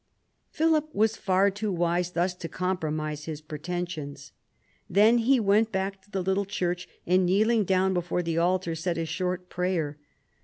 Philip was far too wise thus to compromise his pretensions. Then he went back to the little church and, kneeling down before the altar, said a short prayer.